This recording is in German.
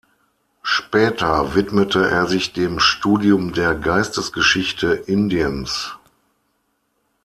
Später widmete er sich dem Studium der Geistesgeschichte Indiens.